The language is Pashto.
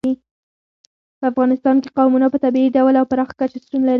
په افغانستان کې قومونه په طبیعي ډول او پراخه کچه شتون لري.